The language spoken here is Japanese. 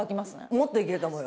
もっといけると思うよ。